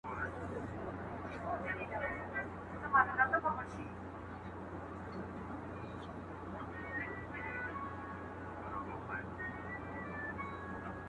سلام د کورنۍ لپاره برکت دی.